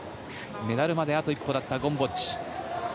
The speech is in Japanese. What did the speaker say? メダルまであと一歩だったゴムボッチ。